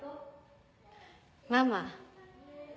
ママ。